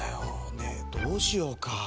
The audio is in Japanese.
ねえどうしようか。